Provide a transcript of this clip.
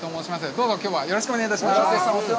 どうぞ、きょうはよろしくお願いいたします。